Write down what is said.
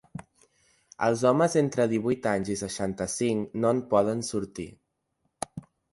Els homes entre divuit anys i seixanta-cinc no en poden sortir.